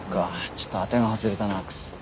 ちょっと当てが外れたなクソッ。